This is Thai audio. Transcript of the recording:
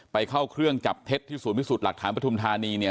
ไปเข้าเครื่องจับเท็จที่ศูนย์พิสูจน์หลักฐานปฐุมธานีเนี่ย